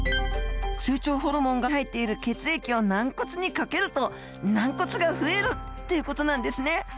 成長ホルモンが入っている血液を軟骨にかけると軟骨が増えるっていう事なんですね。